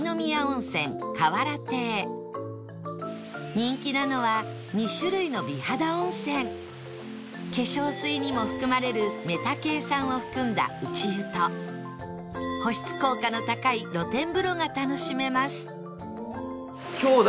人気なのは化粧水にも含まれるメタケイ酸を含んだ内湯と保湿効果の高い露天風呂が楽しめます